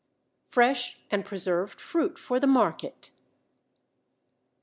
FRESH AND PRESERVED FRUIT FOR THE MARKET.